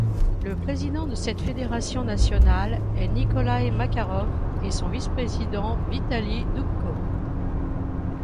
Le président de cette fédération nationale est Nikolai Makarov et son vice-président Vitali Doubko.